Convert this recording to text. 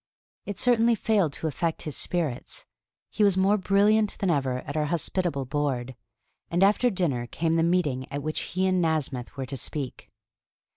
It certainly failed to affect his spirits; he was more brilliant than ever at our hospitable board; and after dinner came the meeting at which he and Nasmyth were to speak.